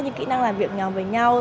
như kỹ năng làm việc nhau với nhau